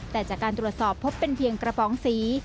แต่จากการตรวจสอบพบเป็นเพียงกระป๋องสี